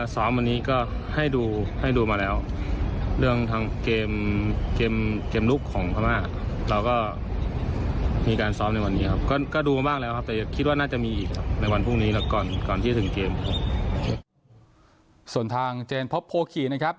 ส่วนทางเจนพบโพขี่นะครับ